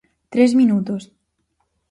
Tres minutos.